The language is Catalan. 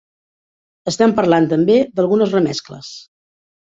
Estem parlant també de algunes remescles.